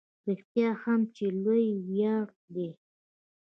رښتیا هم چې لوی ویاړ دی.